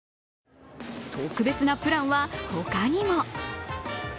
特別なプランは他にも。